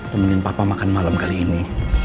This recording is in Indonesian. temuin papa makan malam kali ini